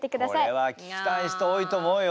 これは聞きたい人多いと思うよ。